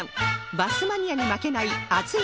バスマニアに負けない熱い投稿